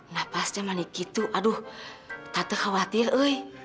napasnya manik itu aduh tak terkhawatir uy